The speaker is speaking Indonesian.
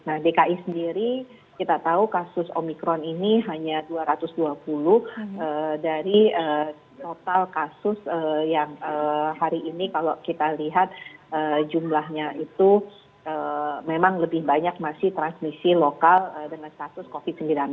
nah dki sendiri kita tahu kasus omikron ini hanya dua ratus dua puluh dari total kasus yang hari ini kalau kita lihat jumlahnya itu memang lebih banyak masih transmisi lokal dengan status covid sembilan belas